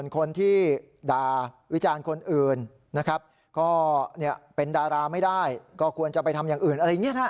ก็เป็นดาราไม่ได้ก็ควรจะไปทำอย่างอื่นอะไรอย่างนี้นะ